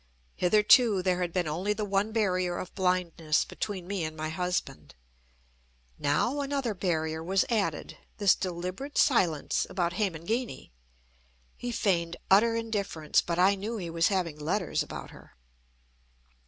Hitherto there had been only the one barrier of blindness between me and my husband. Now another barrier was added, this deliberate silence about Hemangini. He feigned utter indifference, but I knew he was having letters about her.